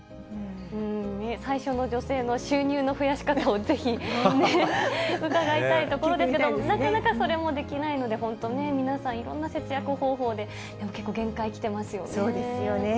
最初の女性の収入の増やし方をぜひね、伺いたいところですけれども、なかなかそれもできないので、本当ね、皆さん、いろんな節約方法で結構、そうですよね。